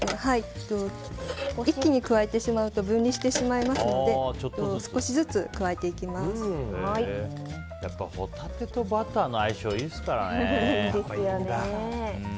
一気に加えてしまうと分離してしまいますのでやっぱホタテとバターの相性いいですからね。